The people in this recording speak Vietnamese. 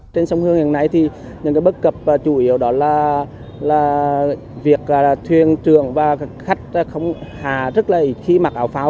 trên sông hương hiện nay những bất cập chủ yếu đó là việc thuyền trường và khách không hà rất là ít khi mặc áo phao